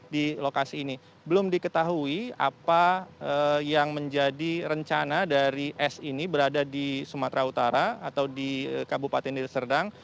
di lokasi ini belum diketahui apa yang menjadi rencana dari s ini berada di sumatera utara atau di kabupaten deli serdang